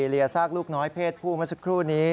เรียกซากลูกน้อยเพศผู้เมื่อสักครู่นี้